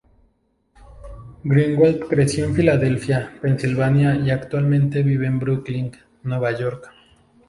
Greenwald creció en Filadelfia, Pensilvania, y actualmente vive en Brooklyn, Nueva York.